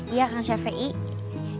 iya kang syafie